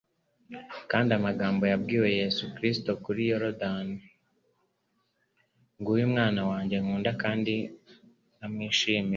Kandi amagambo yabwiwe Yesu kuri Yoridani, ''Nguyu umwana wanjye nkunda kandi nkamwishimira,